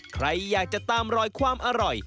ใครอยากจะตามรอยความอร่อย